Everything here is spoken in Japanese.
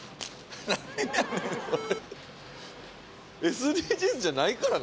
ＳＤＧｓじゃないからな